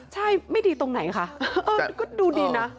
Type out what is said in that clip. ใช่ไม่ดีตรงไหนคะก็ดูดีนะ